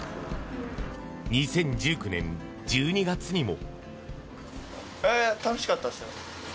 ２０１９年１２月にも。